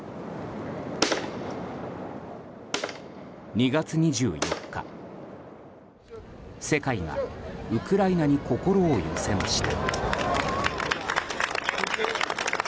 ２月２４日、世界がウクライナに心を寄せました。